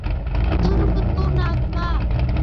துரும்பு தூண் ஆகுமா?